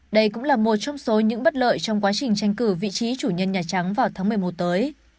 đây cũng là một trong số những bất lợi trong quá trình tranh cử vị trí chủ nhân nhà trắng vào tháng một mươi một tới